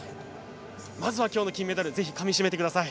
まずはきょうの金メダルぜひかみしめてください。